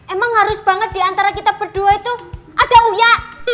emang harus banget diantara kita berdua itu ada uya